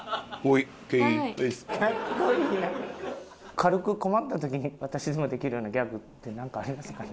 「軽く困った時に私でもできるようなギャグってなんかありますかね？」。